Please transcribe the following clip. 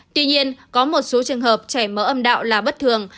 tuy nhiên có một số trường hợp chảy máu âm đạo là bất thường